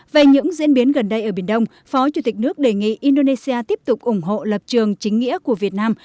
về những diễn biến gần đây ở biển đông phó chủ tịch nước đề nghị indonesia tiếp tục ủng hộ lập trường chính nghĩa của việt nam